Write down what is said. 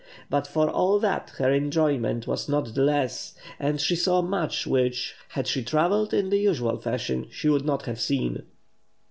But for all that her enjoyment was not the less, and she saw much which, had she travelled in the usual fashion, she would not have seen.